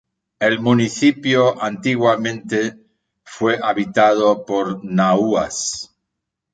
El municipio antiguamente fue habitado por Nahuas.